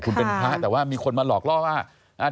คุณเป็นพระแต่ว่ามีคนมาหลอกล่อว่า